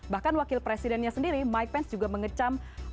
bahkan wakil presidennya sendiri mike pence juga mengecam